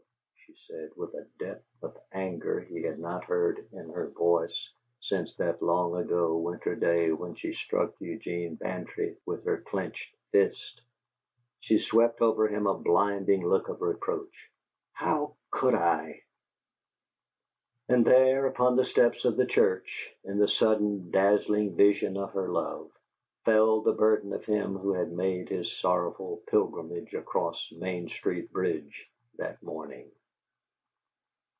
she said, with a depth of anger he had not heard in her voice since that long ago winter day when she struck Eugene Bantry with her clenched fist. She swept over him a blinding look of reproach. "How could I?" And there, upon the steps of the church, in the sudden, dazzling vision of her love, fell the burden of him who had made his sorrowful pilgrimage across Main Street bridge that morning.